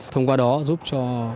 thông qua đó giúp cho